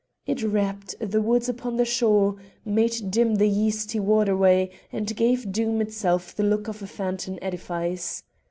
It wrapped the woods upon the shore, made dim the yeasty waterway, and gave Doom itself the look of a phantom edifice.